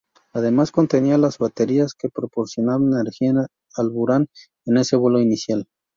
Además contenía las baterías que proporcionaron energía al Buran en ese vuelo inicial.